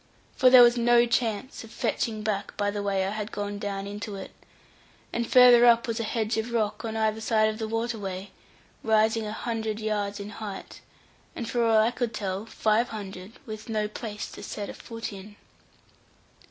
For there was no chance of fetching back by the way I had gone down into it, and further up was a hedge of rock on either side of the waterway, rising a hundred yards in height, and for all I could tell five hundred, and no place to set a foot in.